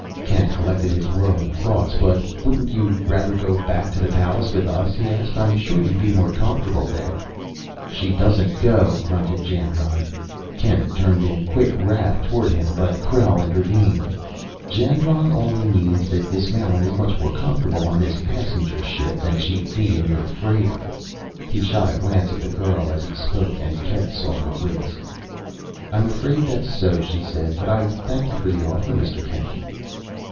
Kent collected his whirling thoughts. "But wouldn't you rather go back to the Pallas with us?" he asked. "I'm sure you'd be more comfortable there." "She doesn't go," grunted Jandron. Kent turned in quick wrath toward him, but Krell intervened. "Jandron only means that Miss Mallen is much more comfortable on this passenger ship than she'd be in your freighter." He shot a glance at the girl as he spoke, and Kent saw her wince. "I'm afraid that's so," she said; "but I thank you for the offer, Mr. Kent."